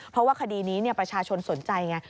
เพราะว่าคดีนี้ประชาชนสนใจไง